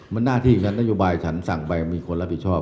มันหน้าที่ของนโยบายฉันสั่งไปมีคนรับผิดชอบ